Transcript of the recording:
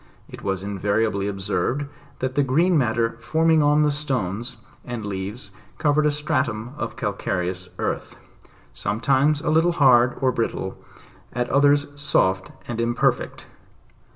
It was invariably observed, that the green matter forming on the stones and leaves covered a stratum of calcareous earth, sometimes a liltle hard, or brittle, at others soft and imper fect.